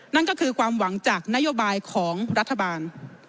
นั่นก็คือความหวังจากนโยบายของรัฐบาล